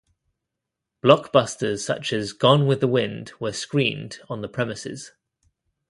Blockbusters such as Gone with the Wind were screened on the premises.